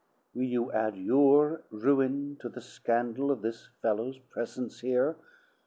"Will you add your ruin to the scandal of this fellow's presence here?